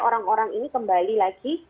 orang orang ini kembali lagi